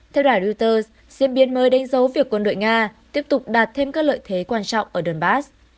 theo đài reuters diễn biến mới đánh dấu việc quân đội nga tiếp tục đạt thêm các lợi thế quan trọng ở donbass